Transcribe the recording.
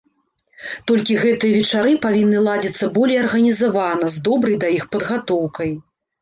Толькі гэтыя вечары павінны ладзіцца болей арганізавана, з добрай да іх падгатоўкай.